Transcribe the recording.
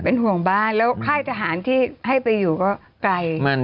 ห่วงบ้านแล้วค่ายทหารที่ให้ไปอยู่ก็ไกล